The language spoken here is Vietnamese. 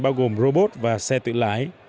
bao gồm robot và xe tự lái